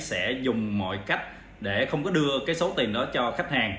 sẽ dùng mọi cách để không có đưa cái số tiền đó cho khách hàng